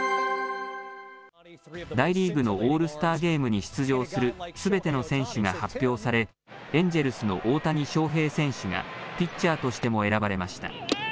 大リーグのオールスターゲームに出場するすべての選手が発表され、エンジェルスの大谷翔平選手が、ピッチャーとしても選ばれました。